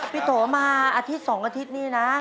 โตมาอาทิตย์๒อาทิตย์นี่นะ